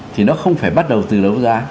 thì nó không phải bắt đầu từ đấu giá